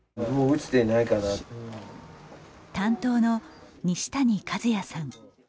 担当の西谷和也さん。